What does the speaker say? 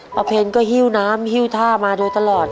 เพลก็หิ้วน้ำหิ้วท่ามาโดยตลอด